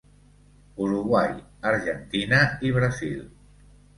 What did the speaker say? Uruguai, Argentina i Brasil.